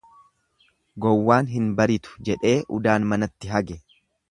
Gowwaan hin baritu jedhee udaan manatti hage.